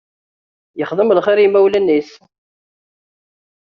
Yexdem lxiṛ i yimawlan-is.